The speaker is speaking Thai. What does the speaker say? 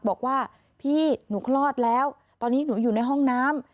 บอกว่าพี่หนูคลอดแล้วตอนนี้หนูอยู่ในห้องน้ำ